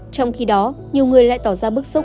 trong khi đó nhiều người lại tỏ ra bức xúc